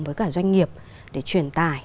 với cả doanh nghiệp để truyền tải